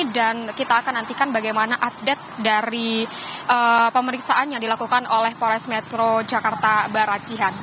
dan kita akan nantikan bagaimana update dari pemeriksaan yang dilakukan oleh polres metro jakarta barat